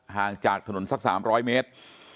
ห่างจากถนนสัก๓๐๐เมตร